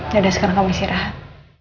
yaudah sekarang kamu isi rahat